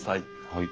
はい。